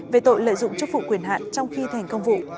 về tội lợi dụng chức vụ quyền hạn trong khi thành công vụ